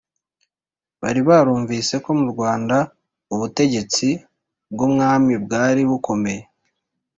bari barumvise ko mu Rwanda ubutegetsi bw'umwami bwari bukomeye,